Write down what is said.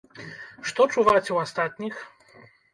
Што чуваць у астатніх?